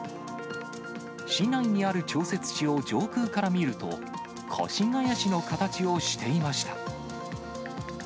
市内にある調節池を上空から見ると、越谷市の形をしていました。